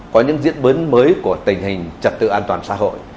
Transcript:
có những diễn biến mới của tình hình trật tự an toàn xã hội